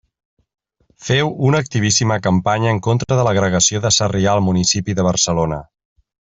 Féu una activíssima campanya en contra de l'agregació de Sarrià al municipi de Barcelona.